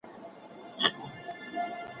خلګ باید د خپل سیاسي برخلیک واک ولري.